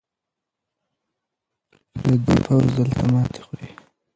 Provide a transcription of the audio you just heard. پردی پوځ دلته ماتې خوري.